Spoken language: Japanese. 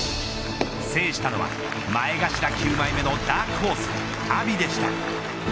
制したのは前頭九枚目のダークホース、阿炎でした。